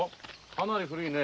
かなり古いね。